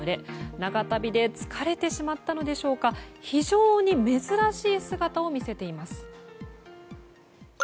長旅で疲れてしまったのでしょうか非常に珍しい姿を見せています。